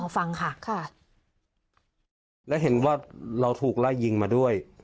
ฟังค่ะค่ะและเห็นว่าเราถูกไล่ยิงมาด้วย